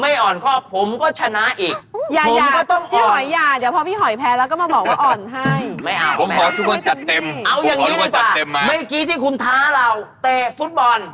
เอางี้ดีกว่าไม่กี้ที่คุณท้าเราเตะฟุตบอล